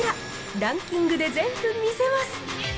ランキングで全部見せます。